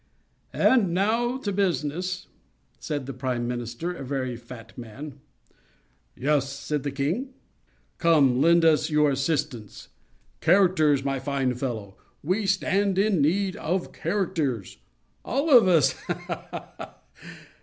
"And now to business," said the prime minister, a very fat man. "Yes," said the King; "Come, Hop Frog, lend us your assistance. Characters, my fine fellow; we stand in need of characters—all of us—ha! ha! ha!"